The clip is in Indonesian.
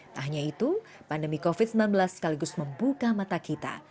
tak hanya itu pandemi covid sembilan belas sekaligus membuka mata kita